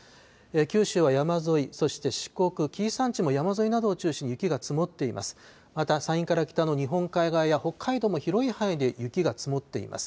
九州は山沿い、そして四国、紀伊山地も山沿いなどを中心に雪が積もっています。